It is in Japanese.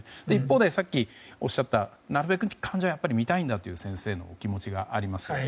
一方でさっきおっしゃったなるべく患者を診たいという先生のお気持ちがあります。